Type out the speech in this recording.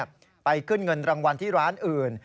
ไปขึ้นเงินรางวัลที่ร้านอื่น